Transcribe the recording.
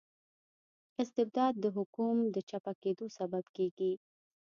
استبداد د حکوم د چپه کیدو سبب کيږي.